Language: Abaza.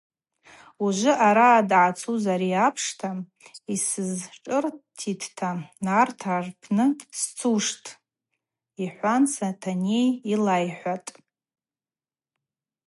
Ужвы ауаъа дъацуз ари апшта йсызшӏыртитӏта нартыргӏа рпны сцуштӏ,— йхӏван Сатанейа йлайхӏватӏ.